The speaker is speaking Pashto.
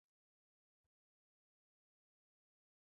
فینول فتالین په القلي محیط کې کوم رنګ اختیاروي؟